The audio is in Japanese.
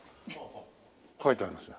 書いてありますよ。